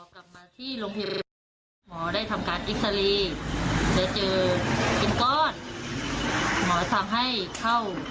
เขาก็ต้องออกมารับผิดชอบส่วนพร้อมเขา